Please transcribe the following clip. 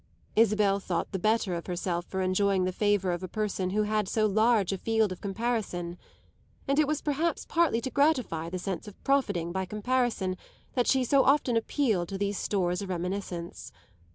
Isabel thought the better of herself for enjoying the favour of a person who had so large a field of comparison; and it was perhaps partly to gratify the sense of profiting by comparison that she often appealed to these stores of reminiscence.